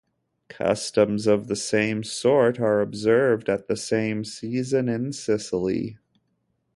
Customs of the same sort are observed at the same season in Sicily.